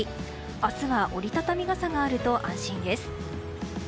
明日は折り畳み傘があると安心です。